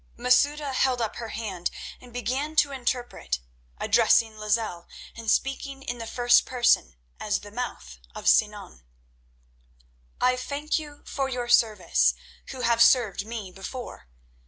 Masouda held up her hand and began to interpret, addressing Lozelle, and speaking in the first person as the "mouth" of Sinan. "I thank you for your service who have served me before.